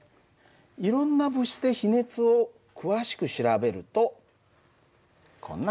いろんな物質で比熱を詳しく調べるとこんなふうになる。